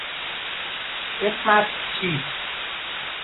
اسمت چیست؟